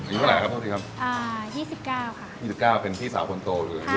ไหนค่ะโทษทีครับ